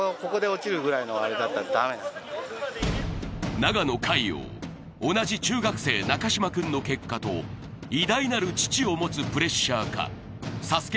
長野塊王、同じ中学生、中島君の結果と、偉大なる父を持つプレッシャーか、ＳＡＳＵＫＥ